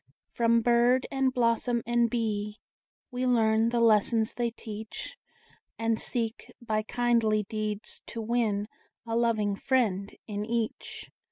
From bird, and blossom, and bee, We learn the lessons they teach; And seek, by kindly deeds, to win A loving friend in each.